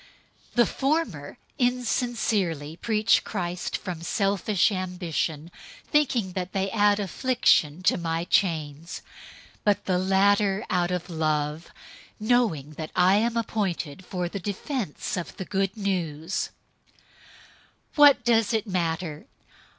001:016 The former insincerely preach Christ from selfish ambition, thinking that they add affliction to my chains; 001:017 but the latter out of love, knowing that I am appointed for the defense of the Good News. 001:018 What does it matter?